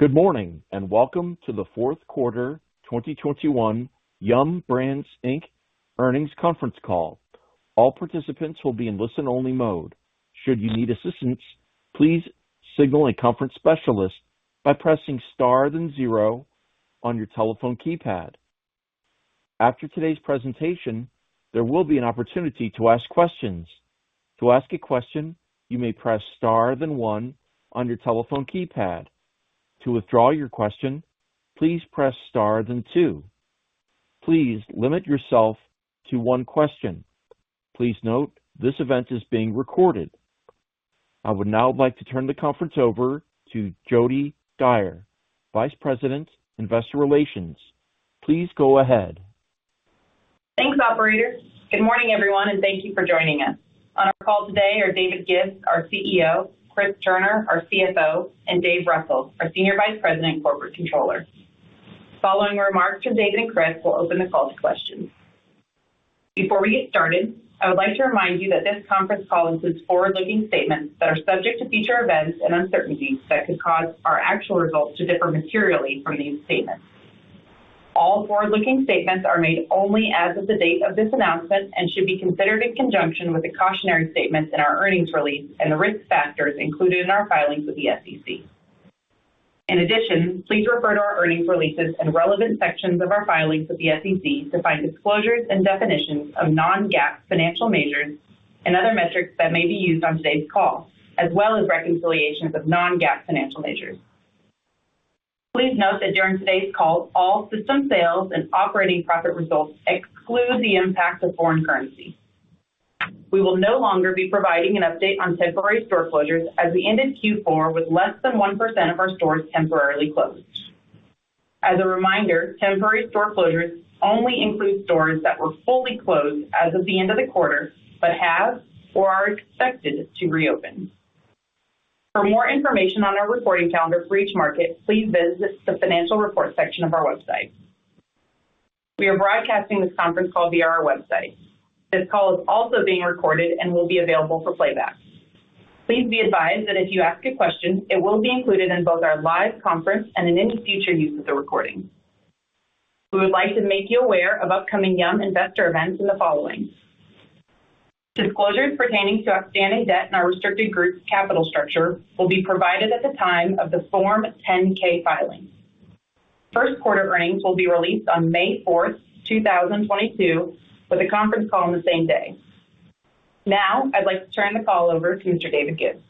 Good morning, and welcome to the Fourth Quarter 2021 Yum! Brands, Inc. earnings conference call. All participants will be in listen-only mode. Should you need assistance, please signal a conference specialist by pressing star then zero on your telephone keypad. After today's presentation, there will be an opportunity to ask questions. To ask a question, you may press star then one on your telephone keypad. To withdraw your question, please press star then two. Please limit yourself to one question. Please note this event is being recorded. I would now like to turn the conference over to Jodi Dyer, Vice President, Investor Relations. Please go ahead. Thanks, operator. Good morning, everyone, and thank you for joining us. On our call today are David Gibbs, our CEO, Chris Turner, our CFO, and Dave Russell, our Senior Vice President, Corporate Controller. Following remarks from David and Chris, we'll open the call to questions. Before we get started, I would like to remind you that this conference call includes forward-looking statements that are subject to future events and uncertainties that could cause our actual results to differ materially from these statements. All forward-looking statements are made only as of the date of this announcement and should be considered in conjunction with the cautionary statements in our earnings release and the risk factors included in our filings with the SEC. In addition, please refer to our earnings releases and relevant sections of our filings with the SEC to find disclosures and definitions of non-GAAP financial measures and other metrics that may be used on today's call, as well as reconciliations of non-GAAP financial measures. Please note that during today's call, all system sales and operating profit results exclude the impact of foreign currency. We will no longer be providing an update on temporary store closures as we ended Q4 with less than 1% of our stores temporarily closed. As a reminder, temporary store closures only include stores that were fully closed as of the end of the quarter, but have or are expected to reopen. For more information on our reporting calendar for each market, please visit the financial report section of our website. We are broadcasting this conference call via our website. This call is also being recorded and will be available for playback. Please be advised that if you ask a question, it will be included in both our live conference and in any future use of the recording. We would like to make you aware of upcoming Yum investor events in the following. Disclosures pertaining to outstanding debt in our restricted groups capital structure will be provided at the time of the Form 10-K filing. First quarter earnings will be released on May 4th, 2022, with a conference call on the same day. Now, I'd like to turn the call over to Mr. David Gibbs.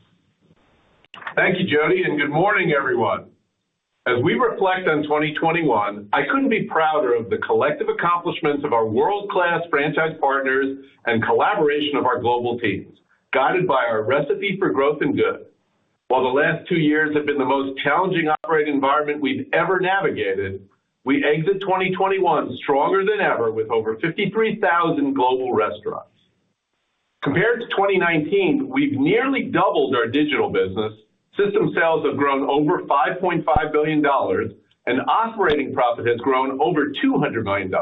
Thank you, Jody, and good morning, everyone. As we reflect on 2021, I couldn't be prouder of the collective accomplishments of our world-class franchise partners and collaboration of our global teams, guided by our Recipe for Growth and Good. While the last two years have been the most challenging operating environment we've ever navigated, we exit 2021 stronger than ever with over 53,000 global restaurants. Compared to 2019, we've nearly doubled our digital business, system sales have grown over $5.5 billion, and operating profit has grown over $200 million.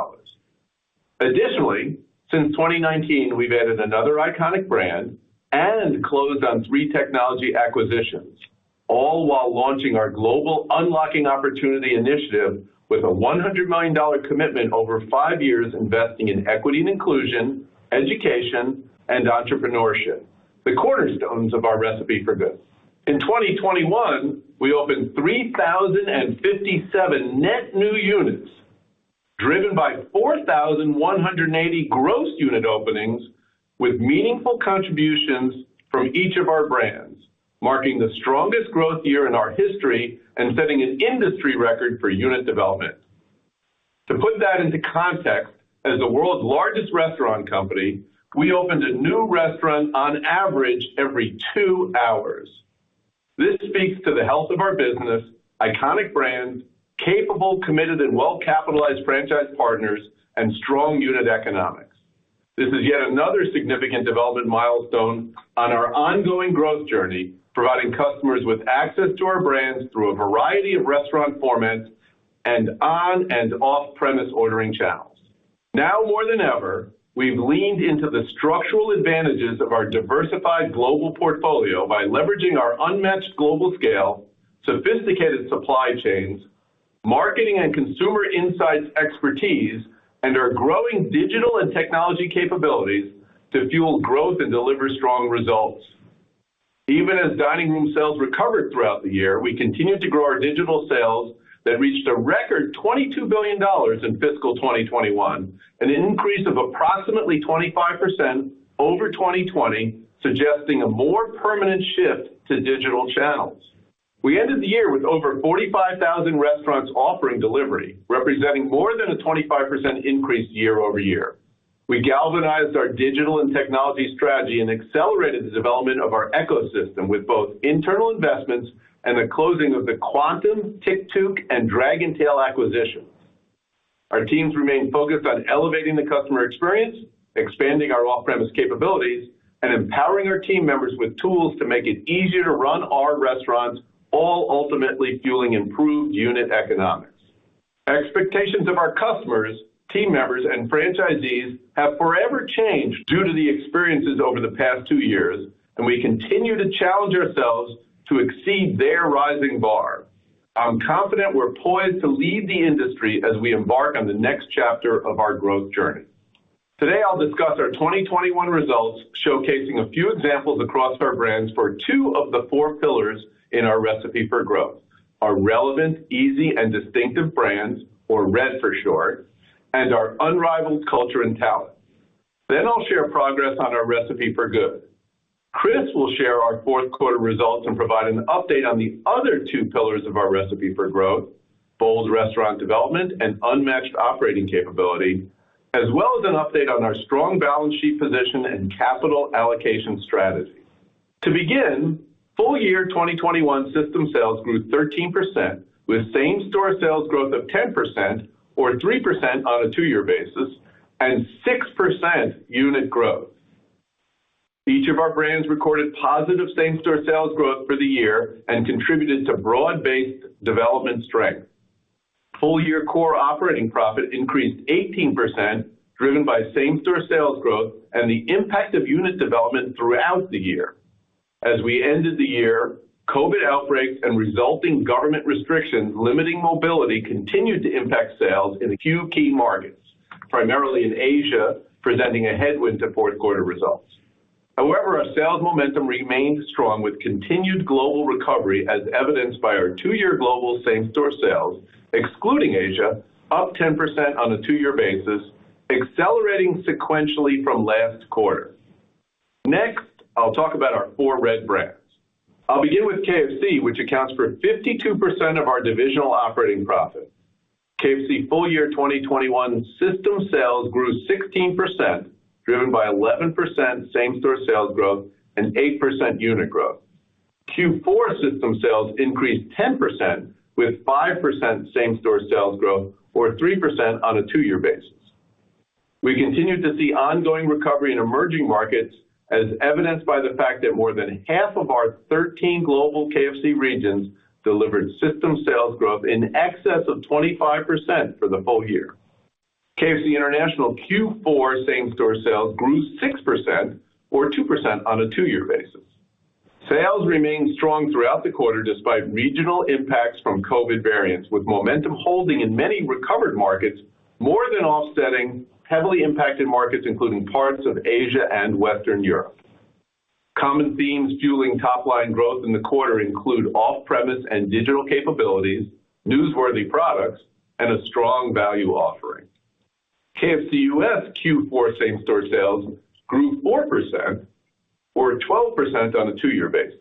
Additionally, since 2019, we've added another iconic brand and closed on three technology acquisitions, all while launching our global Unlocking Opportunity Initiative with a $100 million commitment over five years investing in equity and inclusion, education, and entrepreneurship, the cornerstones of our Recipe for Growth and Good. In 2021, we opened 3,057 net new units, driven by 4,180 gross unit openings with meaningful contributions from each of our brands, marking the strongest growth year in our history and setting an industry record for unit development. To put that into context, as the world's largest restaurant company, we opened a new restaurant on average every two hours. This speaks to the health of our business, iconic brand, capable, committed, and well-capitalized franchise partners, and strong unit economics. This is yet another significant development milestone on our ongoing growth journey, providing customers with access to our brands through a variety of restaurant formats and on and off premise ordering channels. Now more than ever, we've leaned into the structural advantages of our diversified global portfolio by leveraging our unmatched global scale, sophisticated supply chains, marketing and consumer insights expertise, and our growing digital and technology capabilities to fuel growth and deliver strong results. Even as dining room sales recovered throughout the year, we continued to grow our digital sales that reached a record $22 billion in fiscal 2021, an increase of approximately 25% over 2020, suggesting a more permanent shift to digital channels. We ended the year with over 45,000 restaurants offering delivery, representing more than a 25% increase year over year. We galvanized our digital and technology strategy and accelerated the development of our ecosystem with both internal investments and the closing of the Kvantum, Tictuk, and Dragontail acquisitions. Our teams remain focused on elevating the customer experience, expanding our off-premise capabilities, and empowering our team members with tools to make it easier to run our restaurants, all ultimately fueling improved unit economics. Expectations of our customers, team members, and franchisees have forever changed due to the experiences over the past two years, and we continue to challenge ourselves to exceed their rising bar. I'm confident we're poised to lead the industry as we embark on the next chapter of our growth journey. Today, I'll discuss our 2021 results, showcasing a few examples across our brands for two of the four pillars in our recipe for growth, our relevant, easy, and distinctive brands, or RED for short, and our unrivaled culture and talent. I'll share progress on our recipe for good. Chris Turner will share our fourth quarter results and provide an update on the other two pillars of our recipe for growth, bold restaurant development and unmatched operating capability, as well as an update on our strong balance sheet position and capital allocation strategy. To begin, full year 2021 system sales grew 13% with same-store sales growth of 10% or 3% on a two-year basis, and 6% unit growth. Each of our brands recorded positive same-store sales growth for the year and contributed to broad-based development strength. Full year core operating profit increased 18%, driven by same-store sales growth and the impact of unit development throughout the year. As we ended the year, COVID outbreaks and resulting government restrictions limiting mobility continued to impact sales in a few key markets, primarily in Asia, presenting a headwind to fourth quarter results. However, our sales momentum remained strong with continued global recovery as evidenced by our two-year global same-store sales, excluding Asia, up 10% on a two-year basis, accelerating sequentially from last quarter. Next, I'll talk about our four RED brands. I'll begin with KFC, which accounts for 52% of our divisional operating profit. KFC full year 2021 system sales grew 16%, driven by 11% same-store sales growth and 8% unit growth. Q4 system sales increased 10% with 5% same-store sales growth or 3% on a two-year basis. We continued to see ongoing recovery in emerging markets as evidenced by the fact that more than half of our 13 global KFC regions delivered system sales growth in excess of 25% for the full year. KFC International Q4 same-store sales grew 6% or 2% on a two-year basis. Sales remained strong throughout the quarter despite regional impacts from COVID variants, with momentum holding in many recovered markets more than offsetting heavily impacted markets, including parts of Asia and Western Europe. Common themes fueling top-line growth in the quarter include off-premise and digital capabilities, newsworthy products, and a strong value offering. KFC U.S. Q4 same-store sales grew 4% or 12% on a two-year basis.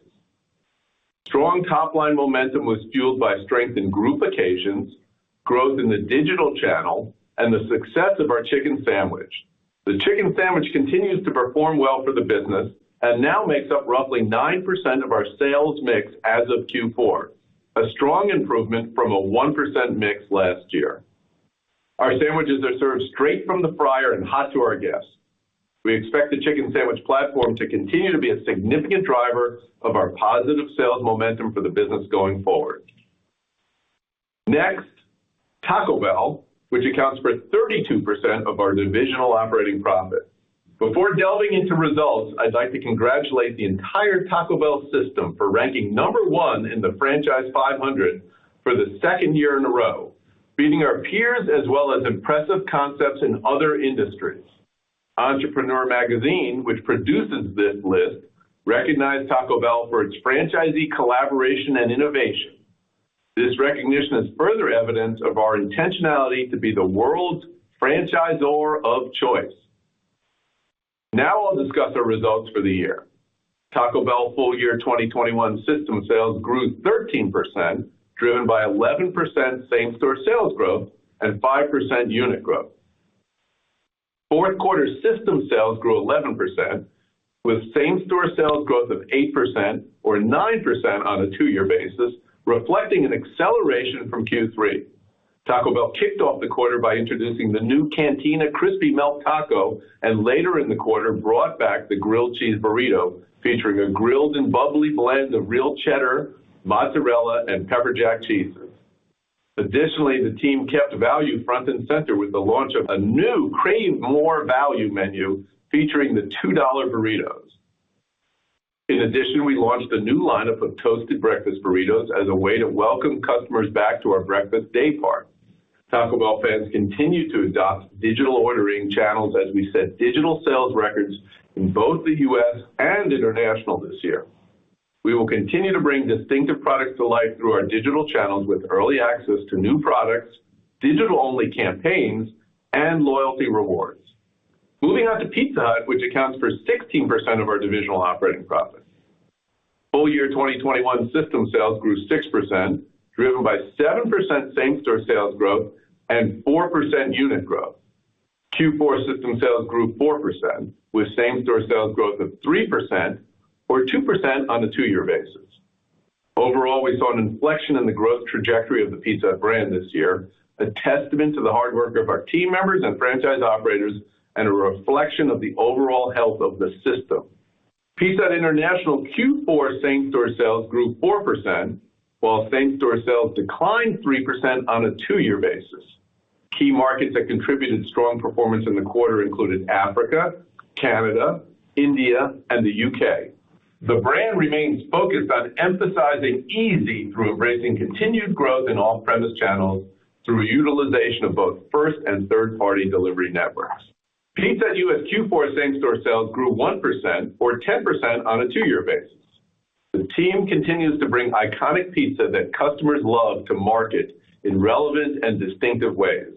Strong top-line momentum was fueled by strength in group occasions, growth in the digital channel, and the success of our chicken sandwich. The chicken sandwich continues to perform well for the business and now makes up roughly 9% of our sales mix as of Q4, a strong improvement from a 1% mix last year. Our sandwiches are served straight from the fryer and hot to our guests. We expect the chicken sandwich platform to continue to be a significant driver of our positive sales momentum for the business going forward. Next, Taco Bell, which accounts for 32% of our divisional operating profit. Before delving into results, I'd like to congratulate the entire Taco Bell system for ranking #1 in the Franchise 500 for the second year in a row, beating our peers as well as impressive concepts in other industries. Entrepreneur Magazine, which produces this list, recognized Taco Bell for its franchisee collaboration and innovation. This recognition is further evidence of our intentionality to be the world's franchisor of choice. Now I'll discuss our results for the year. Taco Bell full year 2021 system sales grew 13%, driven by 11% same-store sales growth and 5% unit growth. Fourth quarter system sales grew 11%, with same-store sales growth of 8% or 9% on a two-year basis, reflecting an acceleration from Q3. Taco Bell kicked off the quarter by introducing the new Cantina Crispy Melt Taco and later in the quarter brought back the Grilled Cheese Burrito, featuring a grilled and bubbly blend of real cheddar, mozzarella, and pepper jack cheeses. Additionally, the team kept value front and center with the launch of a new Crave More Value Menu featuring the $2 burritos. In addition, we launched a new lineup of Toasted Breakfast Burritos as a way to welcome customers back to our breakfast daypart. Taco Bell fans continue to adopt digital ordering channels as we set digital sales records in both the U.S. and international this year. We will continue to bring distinctive products to life through our digital channels with early access to new products, digital-only campaigns, and loyalty rewards. Moving on to Pizza Hut, which accounts for 16% of our divisional operating profit. Full year 2021 system sales grew 6%, driven by 7% same-store sales growth and 4% unit growth. Q4 system sales grew 4%, with same-store sales growth of 3% or 2% on a two-year basis. Overall, we saw an inflection in the growth trajectory of the Pizza Hut brand this year, a testament to the hard work of our team members and franchise operators and a reflection of the overall health of the system. Pizza Hut International Q4 same-store sales grew 4%, while same-store sales declined 3% on a two-year basis. Key markets that contributed strong performance in the quarter included Africa, Canada, India, and the U.K. The brand remains focused on emphasizing ease through embracing continued growth in off-premise channels through utilization of both first and third-party delivery networks. Pizza Hut U.S. Q4 same-store sales grew 1% or 10% on a two-year basis. The team continues to bring iconic pizza that customers love to market in relevant and distinctive ways.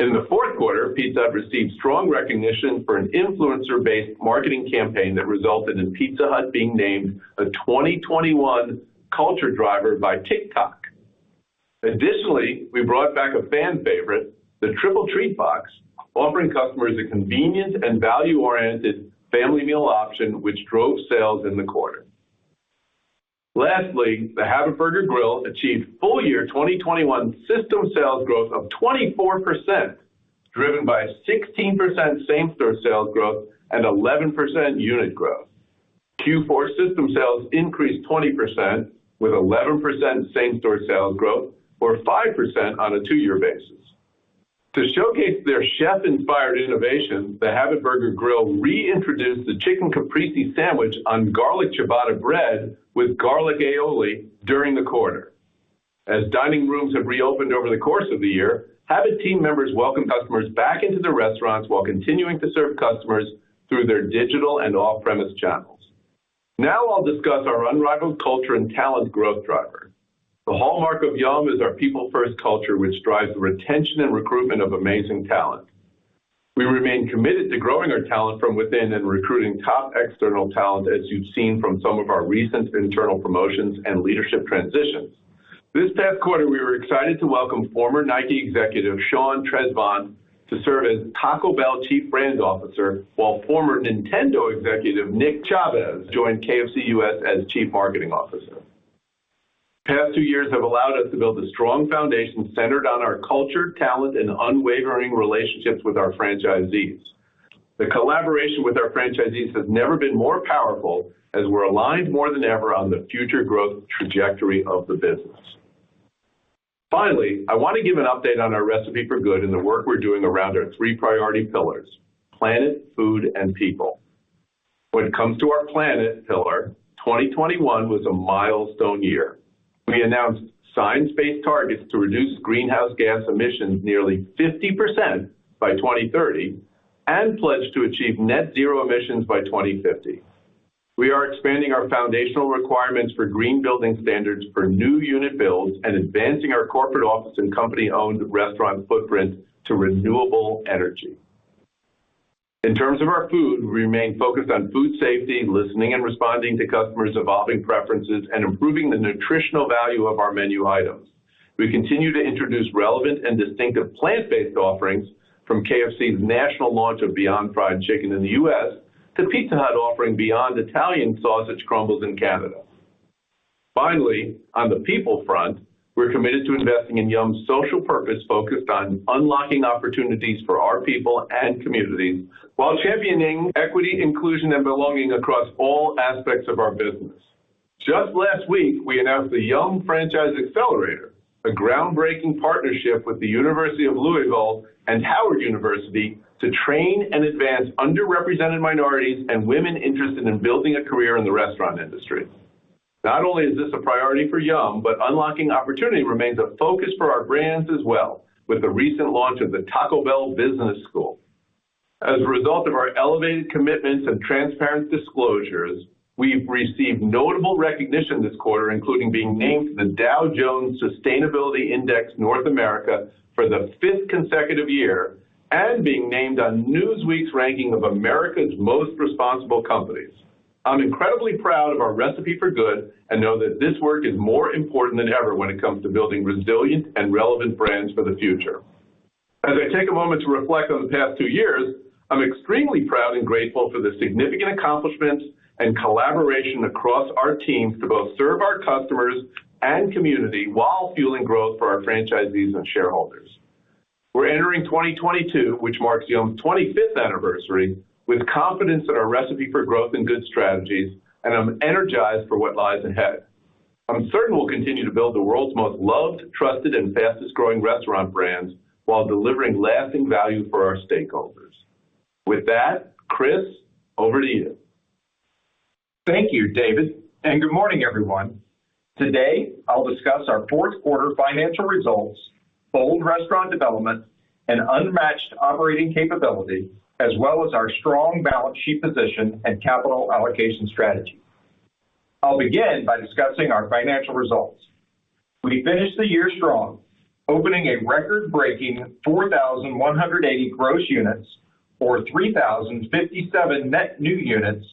In the fourth quarter, Pizza Hut received strong recognition for an influencer-based marketing campaign that resulted in Pizza Hut being named a 2021 Culture Driver by TikTok. Additionally, we brought back a fan favorite, the Triple Treat Box, offering customers a convenient and value-oriented family meal option which drove sales in the quarter. Lastly, The Habit Burger Grill achieved full year 2021 system sales growth of 24%, driven by a 16% same-store sales growth and 11% unit growth. Q4 system sales increased 20% with 11% same-store sales growth, or 5% on a 2-year basis. To showcase their chef-inspired innovations, The Habit Burger Grill reintroduced the Chicken Caprese Sandwich on garlic ciabatta bread with garlic aioli during the quarter. As dining rooms have reopened over the course of the year, Habit team members welcome customers back into the restaurants while continuing to serve customers through their digital and off-premise channels. Now I'll discuss our unrivaled culture and talent growth driver. The hallmark of Yum! is our people first culture, which drives retention and recruitment of amazing talent. We remain committed to growing our talent from within and recruiting top external talent, as you've seen from some of our recent internal promotions and leadership transitions. This past quarter, we were excited to welcome former Nike executive Sean Tresvant to serve as Taco Bell Chief Brand Officer, while former Nintendo executive Nick Chavez joined KFC U.S. as Chief Marketing Officer. Past two years have allowed us to build a strong foundation centered on our culture, talent, and unwavering relationships with our franchisees. The collaboration with our franchisees has never been more powerful as we're aligned more than ever on the future growth trajectory of the business. Finally, I want to give an update on our Recipe for Good and the work we're doing around our three priority pillars, planet, food, and people. When it comes to our planet pillar, 2021 was a milestone year. We announced science-based targets to reduce greenhouse gas emissions nearly 50% by 2030, and pledged to achieve net zero emissions by 2050. We are expanding our foundational requirements for green building standards for new unit builds and advancing our corporate office and company-owned restaurant footprint to renewable energy. In terms of our food, we remain focused on food safety, listening and responding to customers' evolving preferences, and improving the nutritional value of our menu items. We continue to introduce relevant and distinctive plant-based offerings from KFC's national launch of Beyond Fried Chicken in the U.S. to Pizza Hut offering Beyond Italian Sausage Crumbles in Canada. Finally, on the people front, we're committed to investing in Yum's social purpose, focused on unlocking opportunities for our people and communities while championing equity, inclusion, and belonging across all aspects of our business. Just last week, we announced the Yum! Franchise Accelerator, a groundbreaking partnership with the University of Louisville and Howard University to train and advance underrepresented minorities and women interested in building a career in the restaurant industry. Not only is this a priority for Yum, but unlocking opportunity remains a focus for our brands as well with the recent launch of the Taco Bell Business School. As a result of our elevated commitments and transparent disclosures, we've received notable recognition this quarter, including being named to the Dow Jones Sustainability Index North America for the fifth consecutive year, and being named on Newsweek's ranking of America's Most Responsible Companies. I'm incredibly proud of our Recipe for Good and know that this work is more important than ever when it comes to building resilient and relevant brands for the future. As I take a moment to reflect on the past two years, I'm extremely proud and grateful for the significant accomplishments and collaboration across our teams to both serve our customers and community while fueling growth for our franchisees and shareholders. We're entering 2022, which marks Yum's 25th anniversary, with confidence in our recipe for growth and good strategies, and I'm energized for what lies ahead. I'm certain we'll continue to build the world's most loved, trusted, and fastest-growing restaurant brands while delivering lasting value for our stakeholders. With that, Chris, over to you. Thank you, David, and good morning, everyone. Today, I'll discuss our fourth quarter financial results, bold restaurant development, and unmatched operating capability, as well as our strong balance sheet position and capital allocation strategy. I'll begin by discussing our financial results. We finished the year strong, opening a record-breaking 4,180 gross units or 3,057 net new units,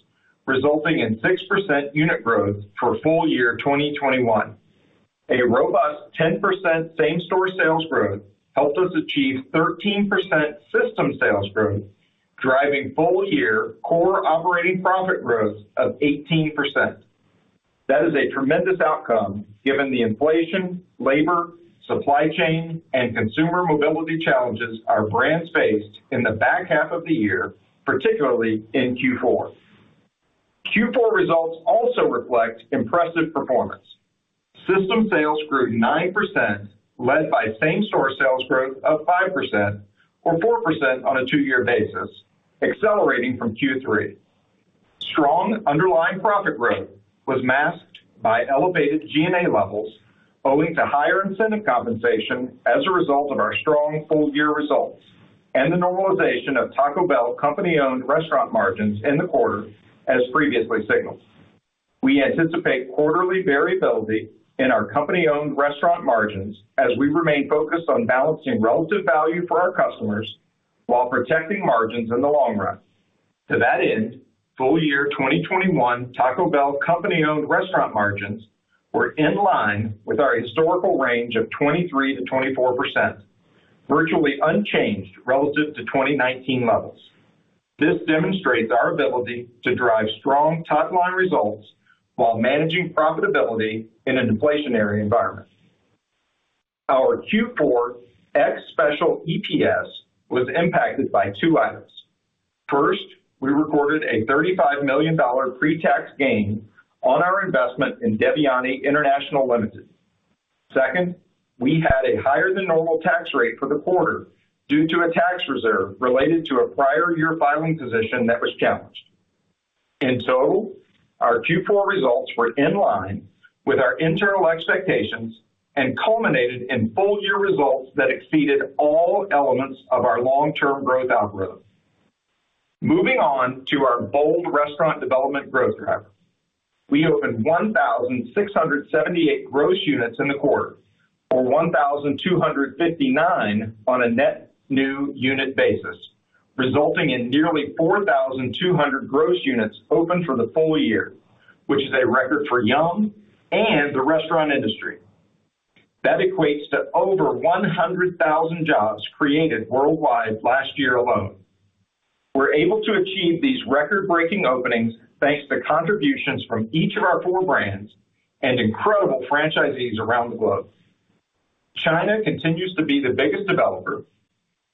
resulting in 6% unit growth for full year 2021. A robust 10% same-store sales growth helped us achieve 13% system sales growth, driving full year core operating profit growth of 18%. That is a tremendous outcome given the inflation, labor, supply chain, and consumer mobility challenges our brands faced in the back half of the year, particularly in Q4. Q4 results also reflect impressive performance. System sales grew 9%, led by same-store sales growth of 5% or 4% on a two-year basis, accelerating from Q3. Strong underlying profit growth was masked by elevated G&A levels owing to higher incentive compensation as a result of our strong full year results and the normalization of Taco Bell company-owned restaurant margins in the quarter as previously signaled. We anticipate quarterly variability in our company-owned restaurant margins as we remain focused on balancing relative value for our customers while protecting margins in the long run. To that end, full year 2021 Taco Bell company-owned restaurant margins were in line with our historical range of 23%-24%, virtually unchanged relative to 2019 levels. This demonstrates our ability to drive strong top-line results while managing profitability in a deflationary environment. Our Q4 ex special EPS was impacted by two items. First, we recorded a $35 million pre-tax gain on our investment in Devyani International Limited. Second, we had a higher than normal tax rate for the quarter due to a tax reserve related to a prior year filing position that was challenged. In total, our Q4 results were in line with our internal expectations and culminated in full year results that exceeded all elements of our long-term growth algorithm. Moving on to our bold restaurant development growth driver. We opened 1,678 gross units in the quarter for 1,259 on a net new unit basis, resulting in nearly 4,200 gross units opened for the full year, which is a record for Yum and the restaurant industry. That equates to over 100,000 jobs created worldwide last year alone. We're able to achieve these record-breaking openings thanks to contributions from each of our four brands and incredible franchisees around the globe. China continues to be the biggest developer.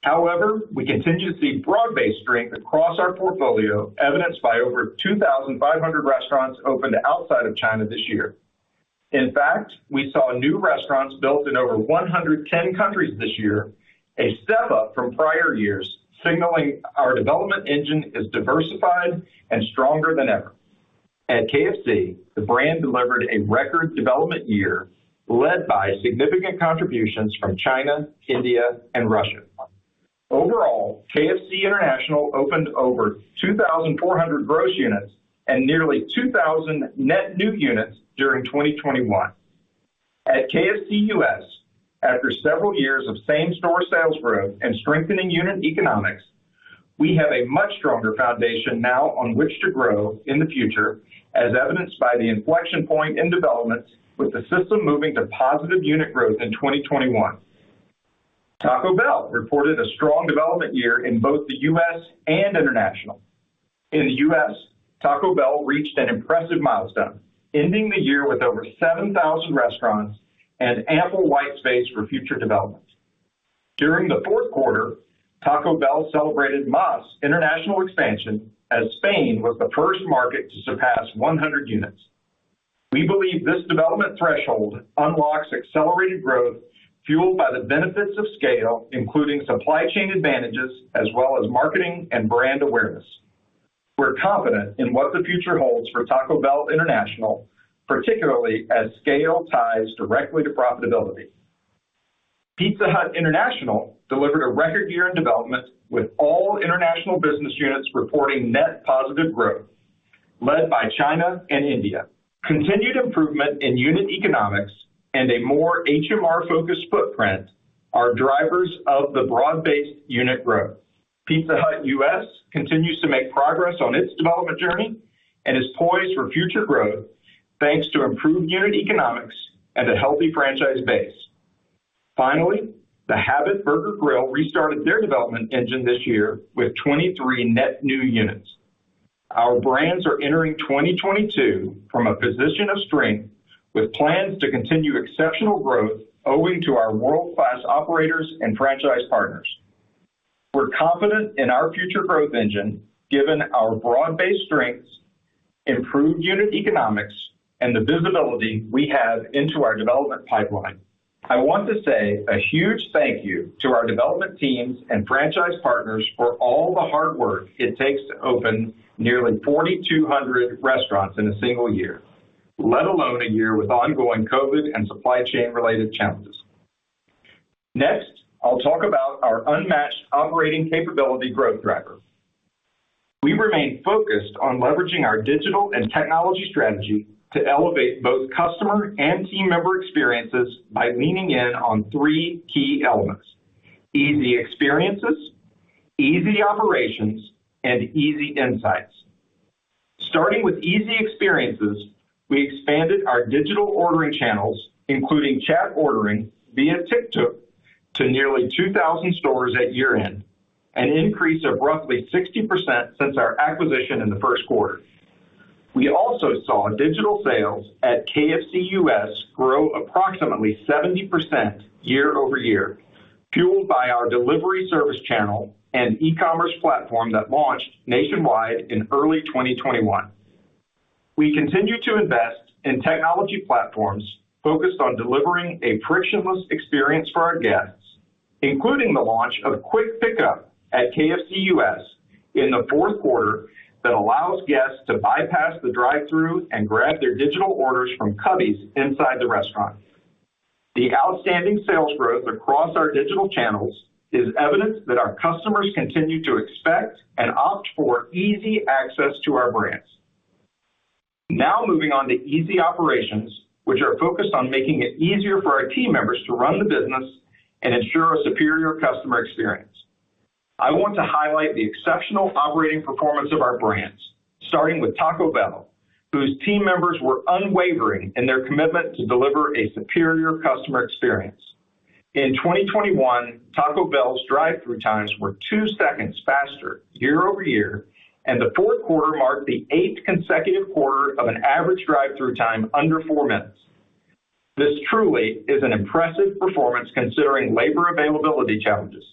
However, we continue to see broad-based strength across our portfolio, evidenced by over 2,500 restaurants opened outside of China this year. In fact, we saw new restaurants built in over 110 countries this year, a step up from prior years, signaling our development engine is diversified and stronger than ever. At KFC, the brand delivered a record development year led by significant contributions from China, India and Russia. Overall, KFC International opened over 2,400 gross units and nearly 2,000 net new units during 2021. At KFC U.S., after several years of same-store sales growth and strengthening unit economics, we have a much stronger foundation now on which to grow in the future, as evidenced by the inflection point in developments with the system moving to positive unit growth in 2021. Taco Bell reported a strong development year in both the U.S. and international. In the U.S., Taco Bell reached an impressive milestone, ending the year with over 7,000 restaurants and ample white space for future developments. During the fourth quarter, Taco Bell celebrated its international expansion as Spain was the first market to surpass 100 units. We believe this development threshold unlocks accelerated growth fueled by the benefits of scale, including supply chain advantages as well as marketing and brand awareness. We're confident in what the future holds for Taco Bell international, particularly as scale ties directly to profitability. Pizza Hut International delivered a record year in development, with all international business units reporting net positive growth led by China and India. Continued improvement in unit economics and a more HMR-focused footprint are drivers of the broad-based unit growth. Pizza Hut U.S. continues to make progress on its development journey and is poised for future growth thanks to improved unit economics and a healthy franchise base. Finally, The Habit Burger Grill restarted their development engine this year with 23 net new units. Our brands are entering 2022 from a position of strength, with plans to continue exceptional growth owing to our world-class operators and franchise partners. We're confident in our future growth engine, given our broad-based strengths, improved unit economics, and the visibility we have into our development pipeline. I want to say a huge thank you to our development teams and franchise partners for all the hard work it takes to open nearly 4,200 restaurants in a single year, let alone a year with ongoing COVID and supply chain related challenges. Next, I'll talk about our unmatched operating capability growth driver. We remain focused on leveraging our digital and technology strategy to elevate both customer and team member experiences by leaning in on three key elements: easy experiences, easy operations, and easy insights. Starting with easy experiences, we expanded our digital ordering channels, including chat ordering via Tictuk to nearly 2,000 stores at year-end, an increase of roughly 60% since our acquisition in the first quarter. We also saw digital sales at KFC U.S. grow approximately 70% year-over-year, fueled by our delivery service channel and e-commerce platform that launched nationwide in early 2021. We continue to invest in technology platforms focused on delivering a frictionless experience for our guests, including the launch of quick pickup at KFC U.S. in the fourth quarter that allows guests to bypass the drive-thru and grab their digital orders from cubbies inside the restaurant. The outstanding sales growth across our digital channels is evidence that our customers continue to expect and opt for easy access to our brands. Now moving on to easy operations, which are focused on making it easier for our team members to run the business and ensure a superior customer experience. I want to highlight the exceptional operating performance of our brands, starting with Taco Bell, whose team members were unwavering in their commitment to deliver a superior customer experience. In 2021, Taco Bell's drive-thru times were two seconds faster year-over-year, and the fourth quarter marked the eighth consecutive quarter of an average drive-thru time under four minutes. This truly is an impressive performance considering labor availability challenges.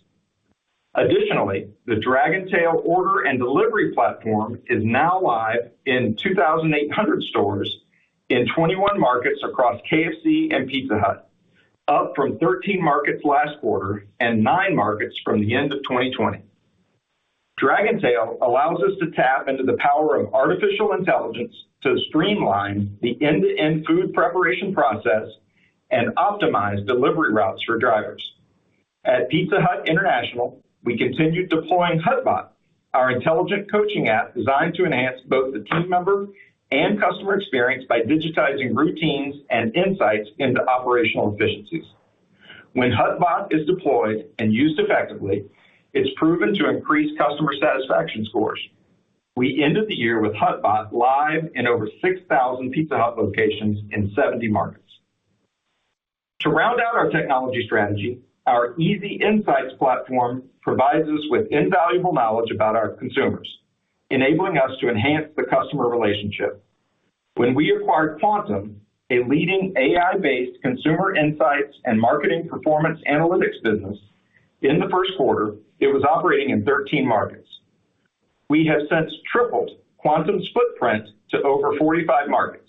Additionally, the Dragontail order and delivery platform is now live in 2,800 stores in 21 markets across KFC and Pizza Hut, up from 13 markets last quarter and nine markets from the end of 2020. Dragontail allows us to tap into the power of artificial intelligence to streamline the end-to-end food preparation process and optimize delivery routes for drivers. At Pizza Hut International, we continued deploying HutBot, our intelligent coaching app designed to enhance both the team member and customer experience by digitizing routines and insights into operational efficiencies. When HutBot is deployed and used effectively, it's proven to increase customer satisfaction scores. We ended the year with HutBot live in over 6,000 Pizza Hut locations in 70 markets. To round out our technology strategy, our Easy Insights platform provides us with invaluable knowledge about our consumers, enabling us to enhance the customer relationship. When we acquired Kvantum, a leading AI-based consumer insights and marketing performance analytics business, in the first quarter, it was operating in 13 markets. We have since tripled Kvantum's footprint to over 45 markets.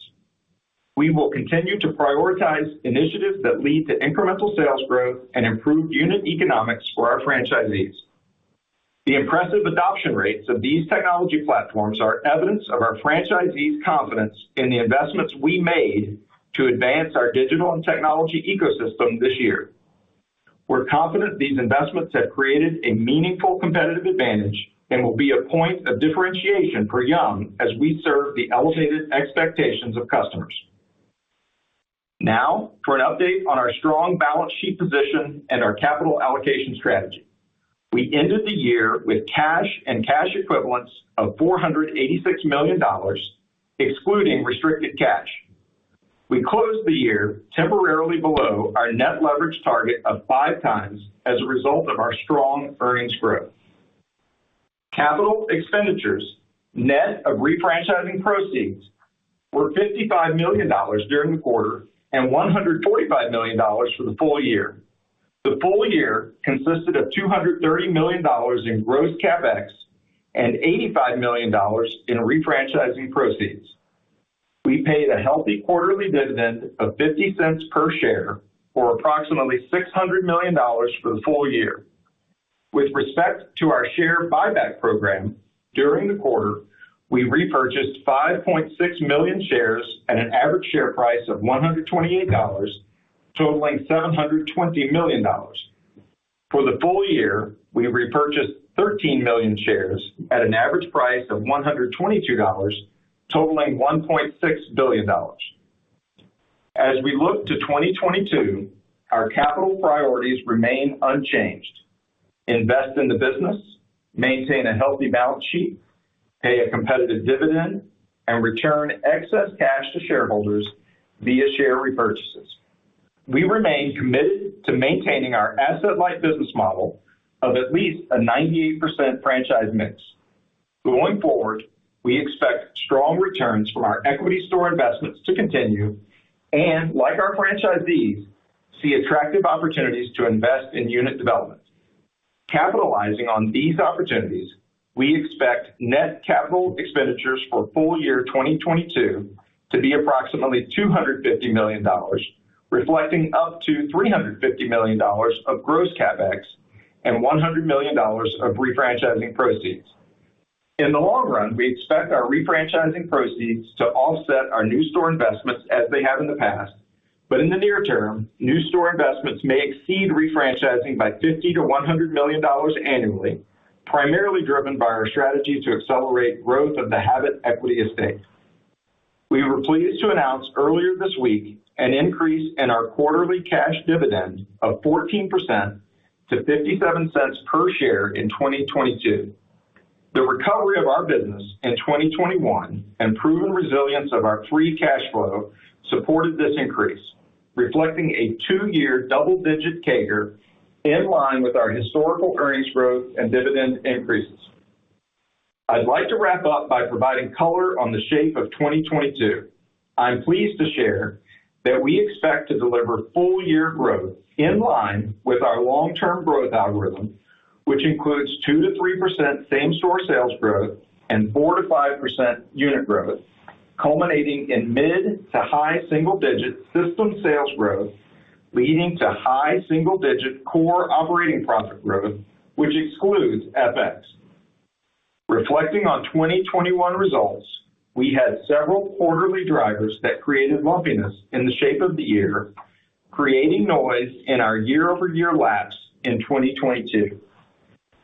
We will continue to prioritize initiatives that lead to incremental sales growth and improved unit economics for our franchisees. The impressive adoption rates of these technology platforms are evidence of our franchisees' confidence in the investments we made to advance our digital and technology ecosystem this year. We're confident these investments have created a meaningful competitive advantage and will be a point of differentiation for Yum! as we serve the elevated expectations of customers. Now for an update on our strong balance sheet position and our capital allocation strategy. We ended the year with cash and cash equivalents of $486 million, excluding restricted cash. We closed the year temporarily below our net leverage target of 5x as a result of our strong earnings growth. Capital expenditures, net of refranchising proceeds, were $55 million during the quarter and $145 million for the full year. The full year consisted of $230 million in gross CapEx and $85 million in refranchising proceeds. We paid a healthy quarterly dividend of $0.50 per share or approximately $600 million for the full year. With respect to our share buyback program, during the quarter, we repurchased 5.6 million shares at an average share price of $128, totaling $720 million. For the full year, we repurchased 13 million shares at an average price of $122, totaling $1.6 billion. As we look to 2022, our capital priorities remain unchanged. Invest in the business, maintain a healthy balance sheet, pay a competitive dividend, and return excess cash to shareholders via share repurchases. We remain committed to maintaining our asset-light business model of at least 98% franchise mix. Going forward, we expect strong returns from our equity store investments to continue and, like our franchisees, see attractive opportunities to invest in unit development. Capitalizing on these opportunities, we expect net capital expenditures for full year 2022 to be approximately $250 million, reflecting up to $350 million of gross CapEx and $100 million of refranchising proceeds. In the long run, we expect our refranchising proceeds to offset our new store investments as they have in the past. In the near term, new store investments may exceed refranchising by $50 million-$100 million annually, primarily driven by our strategy to accelerate growth of the Habit equity estate. We were pleased to announce earlier this week an increase in our quarterly cash dividend of 14% to $0.57 per share in 2022. The recovery of our business in 2021 and proven resilience of our free cash flow supported this increase, reflecting a two-year double-digit CAGR in line with our historical earnings growth and dividend increases. I'd like to wrap up by providing color on the shape of 2022. I'm pleased to share that we expect to deliver full-year growth in line with our long-term growth algorithm, which includes 2%-3% same-store sales growth and 4%-5% unit growth, culminating in mid- to high-single-digit system sales growth, leading to high-single-digit core operating profit growth, which excludes FX. Reflecting on 2021 results, we had several quarterly drivers that created lumpiness in the shape of the year, creating noise in our year-over-year comps in 2022.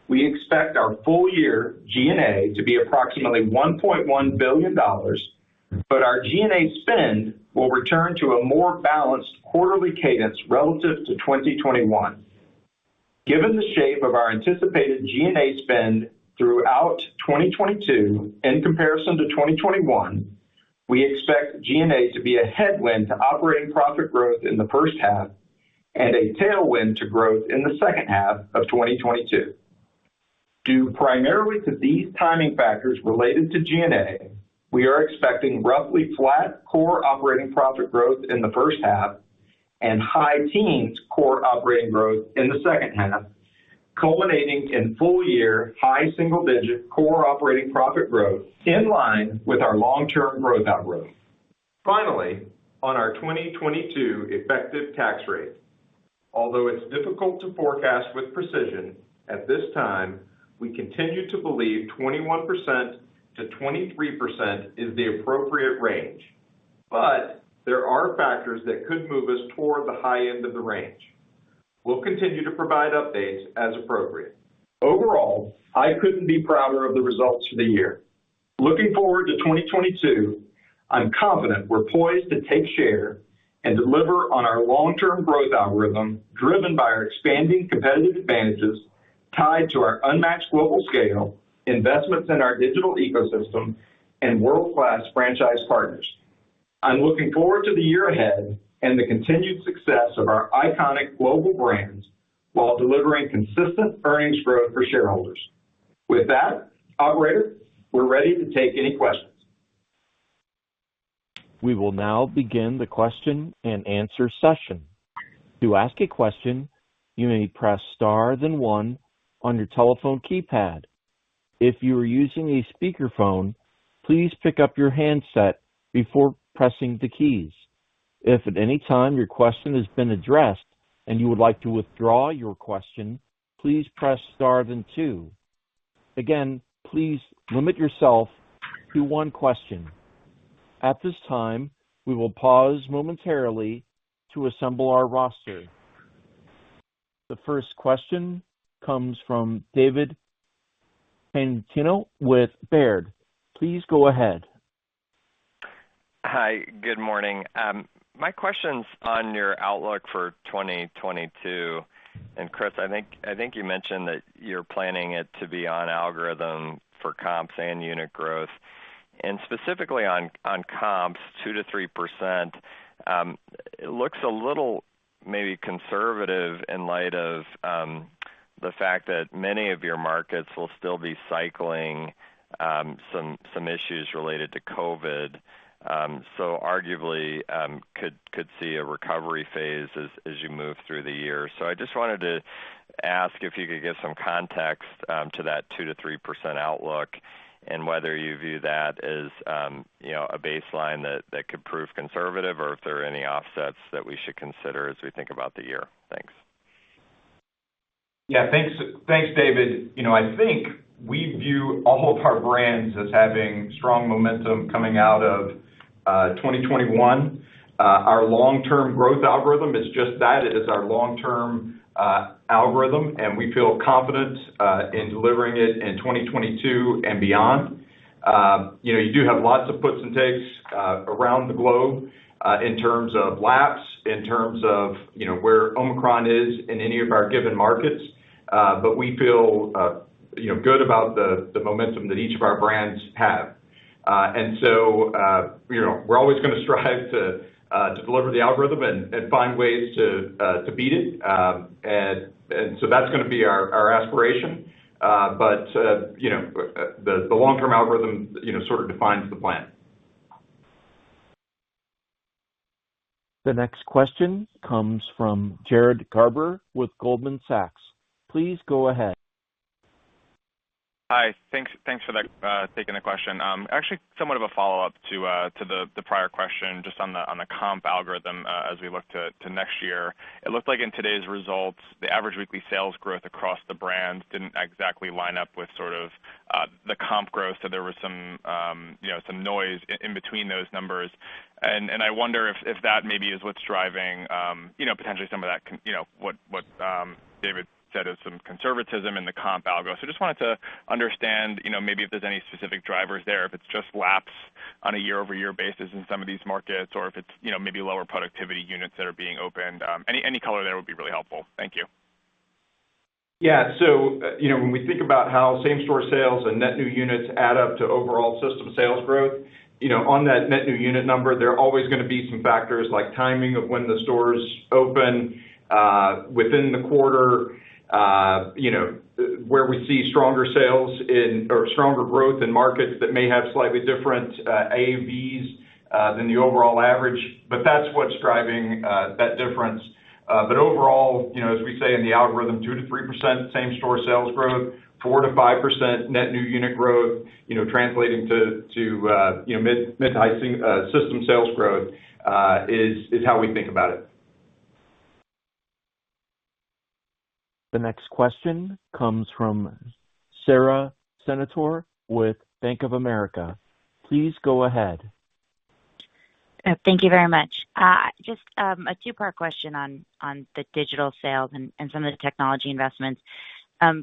We expect our full-year G&A to be approximately $1.1 billion, but our G&A spend will return to a more balanced quarterly cadence relative to 2021. Given the shape of our anticipated G&A spend throughout 2022 in comparison to 2021, we expect G&A to be a headwind to operating profit growth in the first half and a tailwind to growth in the second half of 2022. Due primarily to these timing factors related to G&A, we are expecting roughly flat core operating profit growth in the first half and high teens core operating growth in the second half, culminating in full-year high single-digit core operating profit growth in line with our long-term growth algorithm. Finally, on our 2022 effective tax rate. Although it's difficult to forecast with precision, at this time, we continue to believe 21%-23% is the appropriate range. There are factors that could move us toward the high end of the range. We'll continue to provide updates as appropriate. Overall, I couldn't be prouder of the results for the year. Looking forward to 2022, I'm confident we're poised to take share and deliver on our long-term growth algorithm driven by our expanding competitive advantages tied to our unmatched global scale, investments in our digital ecosystem, and world-class franchise partners. I'm looking forward to the year ahead and the continued success of our iconic global brands while delivering consistent earnings growth for shareholders. With that, operator, we're ready to take any questions. We will now begin the question-and-answer session. To ask a question, you may press star then one on your telephone keypad. If you are using a speakerphone, please pick up your handset before pressing the keys. If at any time your question has been addressed and you would like to withdraw your question, please press star then two. Again, please limit yourself to one question. At this time, we will pause momentarily to assemble our roster. The first question comes from David Tarantino with Baird. Please go ahead. Hi, good morning. My question's on your outlook for 2022. Chris, I think you mentioned that you're planning it to be on algorithm for comps and unit growth. Specifically on comps, 2%-3%, it looks a little maybe conservative in light of the fact that many of your markets will still be cycling some issues related to COVID. Arguably, could see a recovery phase as you move through the year. I just wanted to ask if you could give some context to that 2%-3% outlook and whether you view that as you know, a baseline that could prove conservative or if there are any offsets that we should consider as we think about the year. Thanks. Yeah, thanks. Thanks, David. You know, I think we view all of our brands as having strong momentum coming out of 2021. Our long-term growth algorithm is just that. It is our long-term algorithm, and we feel confident in delivering it in 2022 and beyond. You know, you do have lots of puts and takes around the globe in terms of lapse, in terms of where Omicron is in any of our given markets. But we feel good about the momentum that each of our brands have. You know, we're always gonna strive to deliver the algorithm and find ways to beat it. That's gonna be our aspiration. You know, the long-term algorithm, you know, sort of defines the plan. The next question comes from Jared Garber with Goldman Sachs. Please go ahead. Hi. Thanks for that, taking the question. Actually somewhat of a follow-up to the prior question just on the comp algorithm as we look to next year. It looked like in today's results, the average weekly sales growth across the brands didn't exactly line up with sort of the comp growth. There was some you know some noise in between those numbers. I wonder if that maybe is what's driving you know potentially some of that you know what David said is some conservatism in the comp algo. Just wanted to understand you know maybe if there's any specific drivers there, if it's just lapse On a year-over-year basis in some of these markets or if it's, you know, maybe lower productivity units that are being opened. Any color there would be really helpful? Thank you. You know, when we think about how same-store sales and net new units add up to overall system sales growth, you know, on that net new unit number, there are always going to be some factors like timing of when the stores open within the quarter, you know, where we see stronger sales in or stronger growth in markets that may have slightly different AUVs than the overall average, but that's what's driving that difference. But overall, you know, as we say in the algorithm, 2%-3% same-store sales growth, 4%-5% net new unit growth, you know, translating to mid-single-digit system sales growth is how we think about it. The next question comes from Sara Senatore with Bank of America. Please go ahead. Thank you very much. Just a two-part question on the digital sales and some of the technology investments.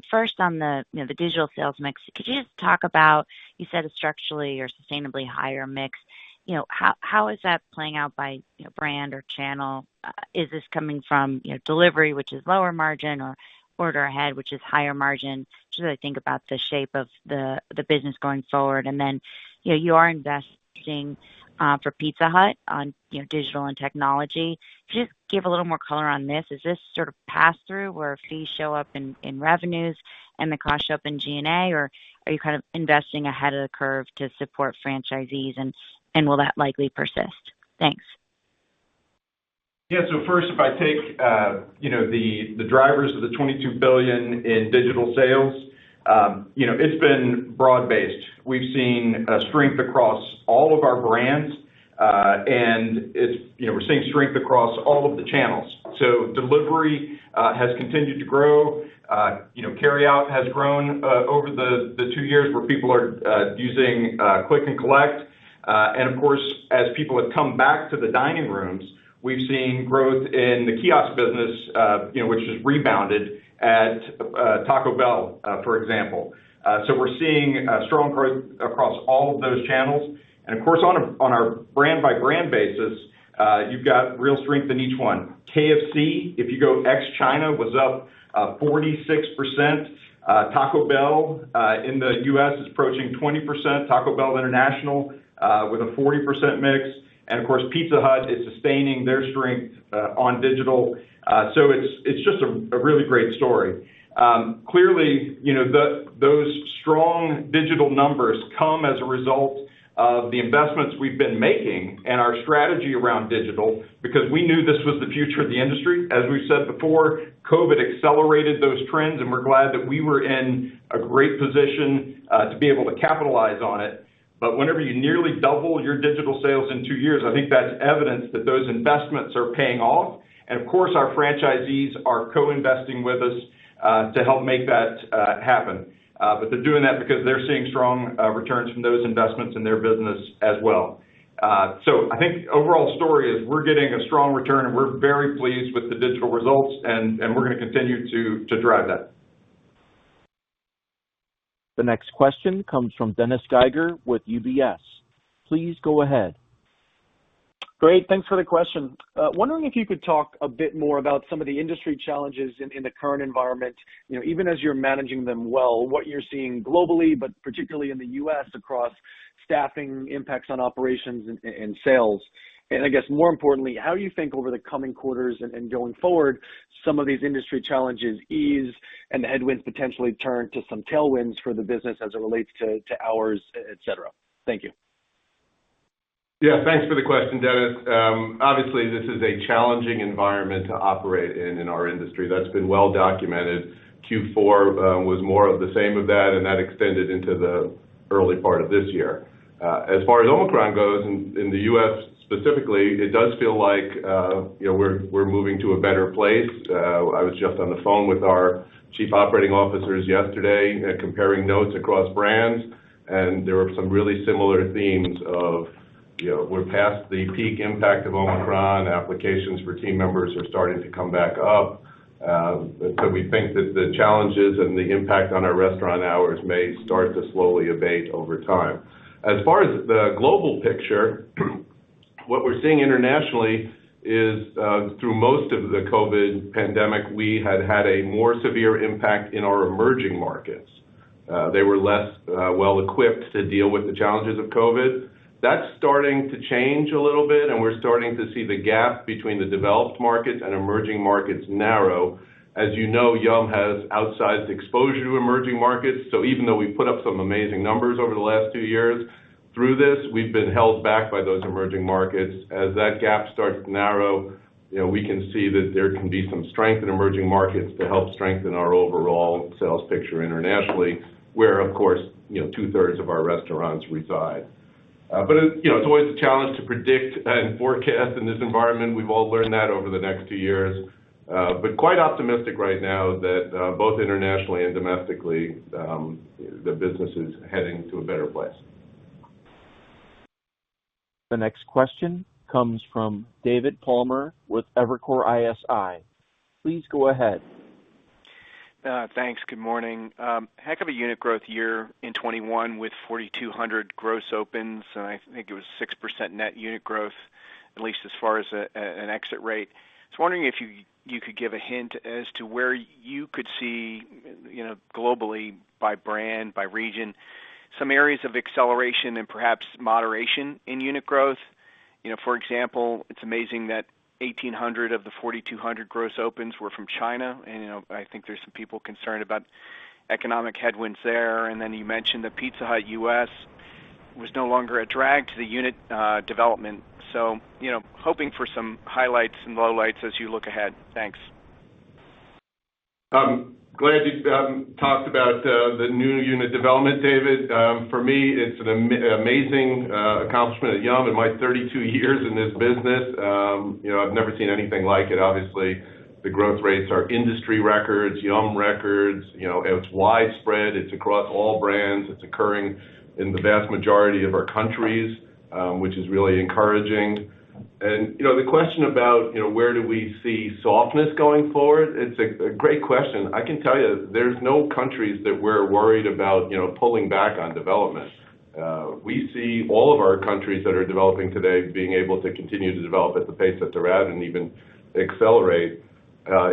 First on the digital sales mix, could you just talk about, you said a structurally or sustainably higher mix. You know, how is that playing out by brand or channel? Is this coming from delivery, which is lower margin or order ahead, which is higher margin? Just really think about the shape of the business going forward. You know, you are investing for Pizza Hut on digital and technology. Could you just give a little more color on this? Is this sort of pass through where fees show up in revenues and the costs show up in G&A? Or are you kind of investing ahead of the curve to support franchisees? Will that likely persist? Thanks. Yeah. First, if I take, you know, the drivers of the $22 billion in digital sales, you know, it's been broad-based. We've seen strength across all of our brands, and it's, you know, we're seeing strength across all of the channels. Delivery has continued to grow. You know, carry out has grown over the two years where people are using click and collect. Of course, as people have come back to the dining rooms, we've seen growth in the kiosk business, you know, which has rebounded at Taco Bell, for example. We're seeing strong growth across all of those channels. Of course, on our brand by brand basis, you've got real strength in each one. KFC, if you go ex-China, was up 46%. Taco Bell in the U.S. is approaching 20%. Taco Bell International with a 40% mix. Of course, Pizza Hut is sustaining their strength on digital. It's just a really great story. Clearly, you know, those strong digital numbers come as a result of the investments we've been making and our strategy around digital because we knew this was the future of the industry. As we said before, COVID accelerated those trends, and we're glad that we were in a great position to be able to capitalize on it. Whenever you nearly double your digital sales in two years, I think that's evidence that those investments are paying off. Of course, our franchisees are co-investing with us to help make that happen. They're doing that because they're seeing strong returns from those investments in their business as well. I think overall story is we're getting a strong return, and we're very pleased with the digital results, and we're gonna continue to drive that. The next question comes from Dennis Geiger with UBS. Please go ahead. Great. Thanks for the question. Wondering if you could talk a bit more about some of the industry challenges in the current environment, you know, even as you're managing them well, what you're seeing globally, but particularly in the U.S. across staffing impacts on operations and sales. I guess more importantly, how you think over the coming quarters and going forward, some of these industry challenges ease and the headwinds potentially turn to some tailwinds for the business as it relates to hours, et cetera. Thank you. Yeah. Thanks for the question, Dennis. Obviously this is a challenging environment to operate in our industry. That's been well documented. Q4 was more of the same of that, and that extended into the early part of this year. As far as Omicron goes in the U.S. specifically, it does feel like, you know, we're moving to a better place. I was just on the phone with our Chief Operating Officers yesterday comparing notes across brands, and there were some really similar themes of, you know, we're past the peak impact of Omicron. Applications for team members are starting to come back up. So we think that the challenges and the impact on our restaurant hours may start to slowly abate over time. As far as the global picture, what we're seeing internationally is, through most of the COVID pandemic, we had had a more severe impact in our emerging markets. They were less well equipped to deal with the challenges of COVID. That's starting to change a little bit, and we're starting to see the gap between the developed markets and emerging markets narrow. As you know, Yum has outsized exposure to emerging markets. So even though we put up some amazing numbers over the last two years through this, we've been held back by those emerging markets. As that gap starts to narrow, you know, we can see that there can be some strength in emerging markets to help strengthen our overall sales picture internationally, where, of course, you know, two-thirds of our restaurants reside. You know, it's always a challenge to predict and forecast in this environment. We've all learned that over the next 2 years. We're quite optimistic right now that both internationally and domestically the business is heading to a better place. The next question comes from David Palmer with Evercore ISI. Please go ahead. Thanks. Good morning. Heck of a unit growth year in 2021 with 4,200 gross opens, and I think it was 6% net unit growth, at least as far as an exit rate. I was wondering if you could give a hint as to where you could see, you know, globally by brand, by region, some areas of acceleration and perhaps moderation in unit growth. You know, for example, it's amazing that 1,800 of the 4,200 gross opens were from China. You know, I think there's some people concerned about economic headwinds there. Then you mentioned that Pizza Hut U.S. was no longer a drag to the unit development. You know, hoping for some highlights and lowlights as you look ahead. Thanks. Glad you talked about the new unit development, David. For me, it's an amazing accomplishment at Yum. In my 32 years in this business, you know, I've never seen anything like it. Obviously, the growth rates are industry records, Yum records. You know, it's widespread. It's across all brands. It's occurring in the vast majority of our countries, which is really encouraging. You know, the question about, you know, where do we see softness going forward, it's a great question. I can tell you there's no countries that we're worried about, you know, pulling back on development. We see all of our countries that are developing today being able to continue to develop at the pace that they're at and even accelerate.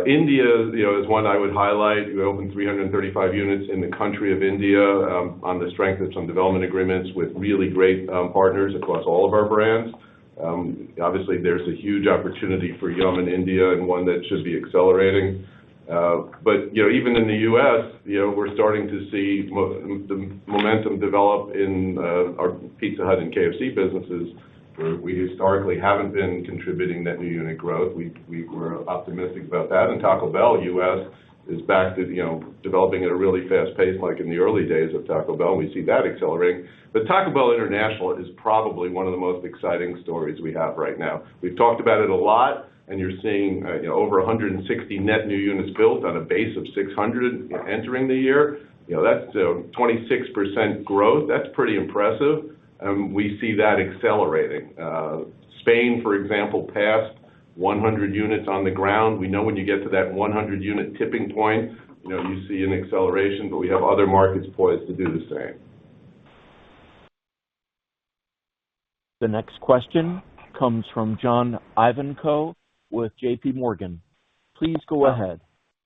India, you know, is one I would highlight. We opened 335 units in the country of India on the strength of some development agreements with really great partners across all of our brands. Obviously, there's a huge opportunity for Yum in India and one that should be accelerating. You know, even in the U.S., you know, we're starting to see momentum develop in our Pizza Hut and KFC businesses, where we historically haven't been contributing net new unit growth. We're optimistic about that. Taco Bell U.S. is back to developing at a really fast pace like in the early days of Taco Bell, and we see that accelerating. Taco Bell International is probably one of the most exciting stories we have right now. We've talked about it a lot, and you're seeing, you know, over 160 net new units built on a base of 600 entering the year. You know, that's 26% growth. That's pretty impressive. We see that accelerating. Spain, for example, passed 100 units on the ground. We know when you get to that 100-unit tipping point, you know, you see an acceleration, but we have other markets poised to do the same. The next question comes from John Ivankoe with J.P. Morgan. Please go ahead.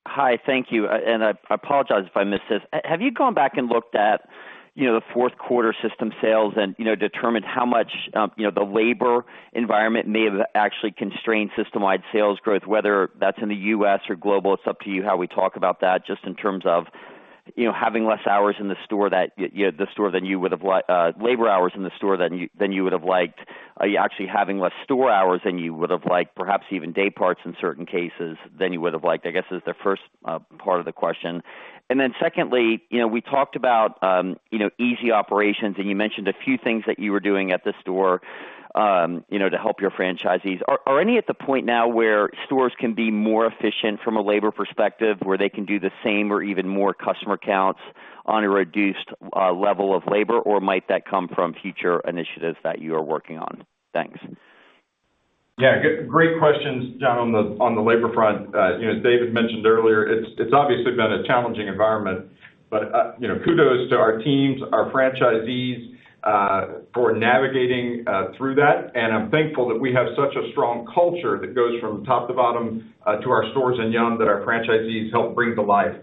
Hi. Thank you. I apologize if I missed this. Have you gone back and looked at the fourth quarter system sales and determined how much the labor environment may have actually constrained system-wide sales growth, whether that's in the U.S. or global? It's up to you how we talk about that, just in terms of having less hours in the store than you would have liked, labor hours in the store than you would have liked. Are you actually having less store hours than you would have liked, perhaps even day parts in certain cases than you would have liked, I guess, is the first part of the question. You know, we talked about, you know, easy operations, and you mentioned a few things that you were doing at the store, you know, to help your franchisees. Are any at the point now where stores can be more efficient from a labor perspective, where they can do the same or even more customer counts on a reduced level of labor, or might that come from future initiatives that you are working on? Thanks. Yeah. Great questions, John, on the labor front. You know, as David mentioned earlier, it's obviously been a challenging environment. You know, kudos to our teams, our franchisees, for navigating through that. I'm thankful that we have such a strong culture that goes from top to bottom to our stores and Yum that our franchisees help bring to life.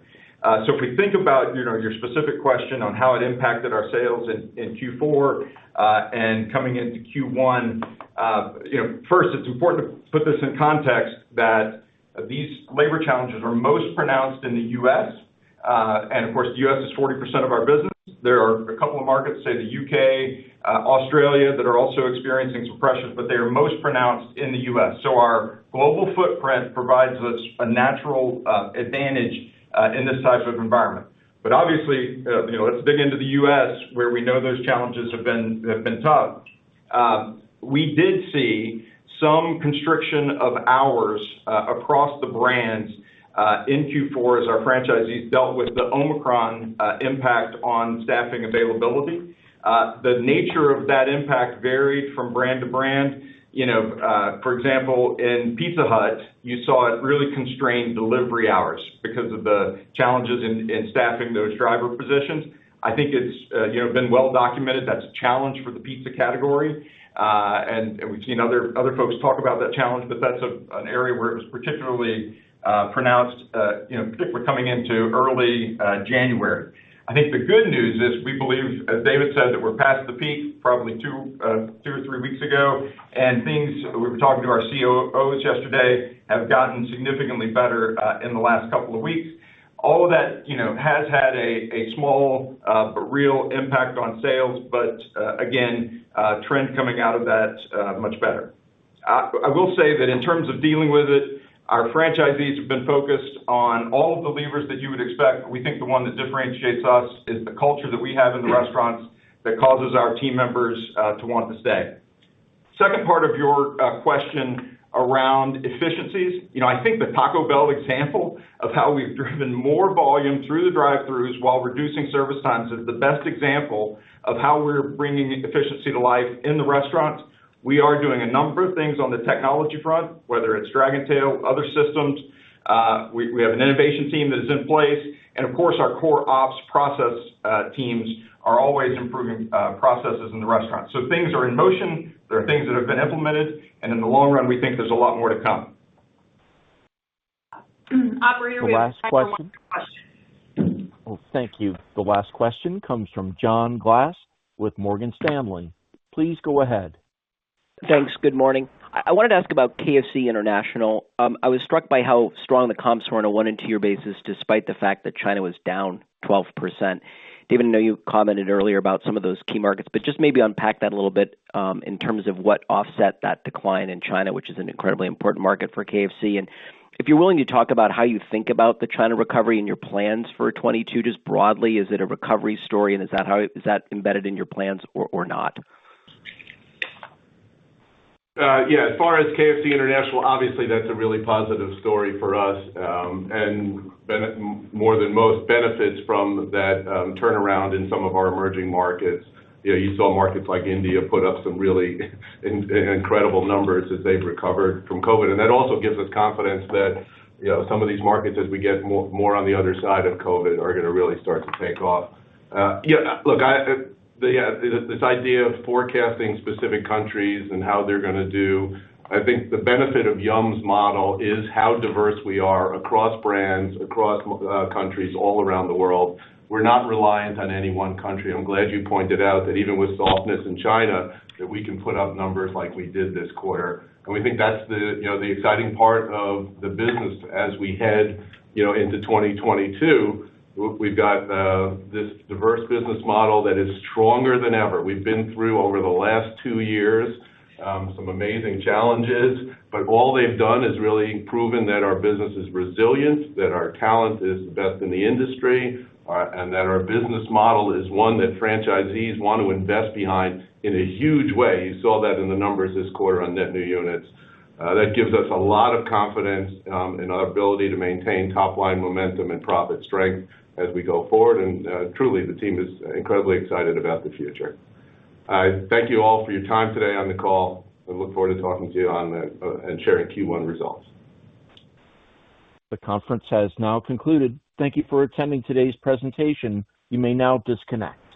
If we think about, you know, your specific question on how it impacted our sales in Q4 and coming into Q1. You know, first, it's important to put this in context that these labor challenges are most pronounced in the U.S. Of course, the U.S. is 40% of our business. There are a couple of markets, say, the U.K., Australia, that are also experiencing some pressures, but they are most pronounced in the U.S. Our global footprint provides us a natural advantage in this type of environment. Obviously, you know, let's dig into the U.S. where we know those challenges have been tough. We did see some constriction of hours across the brands in Q4 as our franchisees dealt with the Omicron impact on staffing availability. The nature of that impact varied from brand to brand. You know, for example, in Pizza Hut, you saw it really constrained delivery hours because of the challenges in staffing those driver positions. I think it's, you know, been well documented, that's a challenge for the pizza category. We've seen other folks talk about that challenge, but that's an area where it was particularly pronounced, you know, particularly coming into early January. I think the good news is we believe, as David said, that we're past the peak, probably two or three weeks ago, and things we were talking to our COOs yesterday have gotten significantly better in the last couple of weeks. All of that, you know, has had a small but real impact on sales. Again, trend coming out of that much better. I will say that in terms of dealing with it, our franchisees have been focused on all of the levers that you would expect. We think the one that differentiates us is the culture that we have in the restaurants that causes our team members to want to stay. Second part of your question around efficiencies. You know, I think the Taco Bell example of how we've driven more volume through the drive-throughs while reducing service times is the best example of how we're bringing efficiency to life in the restaurant. We are doing a number of things on the technology front, whether it's Dragontail, other systems. We have an innovation team that is in place. Of course, our core ops process teams are always improving processes in the restaurant. Things are in motion. There are things that have been implemented, and in the long run, we think there's a lot more to come. Operator, we have time for one question. The last question. Oh, thank you. The last question comes from John Glass with Morgan Stanley. Please go ahead. Thanks. Good morning. I wanted to ask about KFC International. I was struck by how strong the comps were on a one- and two-year basis, despite the fact that China was down 12%. David, I know you commented earlier about some of those key markets, but just maybe unpack that a little bit, in terms of what offset that decline in China, which is an incredibly important market for KFC. If you're willing to talk about how you think about the China recovery and your plans for 2022, just broadly, is it a recovery story, and is that embedded in your plans or not? Yeah, as far as KFC International, obviously that's a really positive story for us. Benefit more than most from that turnaround in some of our emerging markets. You know, you saw markets like India put up some really incredible numbers as they've recovered from COVID. That also gives us confidence that, you know, some of these markets, as we get more on the other side of COVID, are gonna really start to take off. Look, this idea of forecasting specific countries and how they're gonna do, I think the benefit of Yum's model is how diverse we are across brands, across countries all around the world. We're not reliant on any one country. I'm glad you pointed out that even with softness in China, that we can put up numbers like we did this quarter. We think that's the, you know, the exciting part of the business as we head, you know, into 2022. We've got this diverse business model that is stronger than ever. We've been through over the last two years some amazing challenges, but all they've done is really proven that our business is resilient, that our talent is the best in the industry, and that our business model is one that franchisees want to invest behind in a huge way. You saw that in the numbers this quarter on net new units. That gives us a lot of confidence in our ability to maintain top line momentum and profit strength as we go forward. Truly, the team is incredibly excited about the future. I thank you all for your time today on the call. I look forward to talking to you and sharing Q1 results. The conference has now concluded. Thank you for attending today's presentation. You may now disconnect.